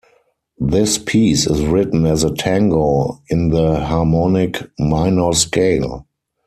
This piece is written as a tango in the harmonic minor scale.